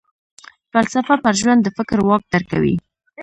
فلسفه پر ژوند د فکر واک درکوي.